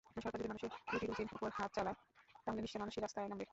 সরকার যদি মানুষের রুটি-রুজির ওপর হাত চালায়, তাহলে নিশ্চয়ই মানুষই রাস্তায় নামবে।